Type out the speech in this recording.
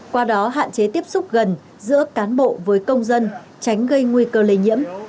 qua đó hạn chế tiếp xúc gần giữa cán bộ với công dân tránh gây nguy cơ lây nhiễm